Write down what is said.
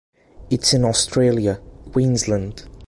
It is in Australia: Queensland.